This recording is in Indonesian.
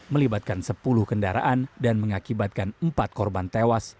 melibatkan sepuluh kendaraan dan mengakibatkan empat korban tewas